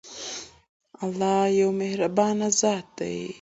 الله يو مهربان ذات دی.